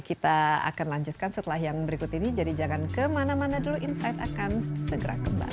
kita akan lanjutkan setelah yang berikut ini jadi jangan kemana mana dulu insight akan segera kembali